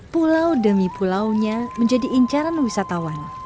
pulau demi pulaunya menjadi incaran wisatawan